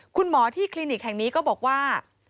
คุณหมอที่คลินิกแห่งนี้ก็บอกว่า